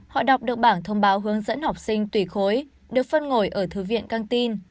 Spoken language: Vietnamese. họ đọc được bảng thông báo hướng dẫn học sinh tùy khối được phân ngồi ở thư viện căng tin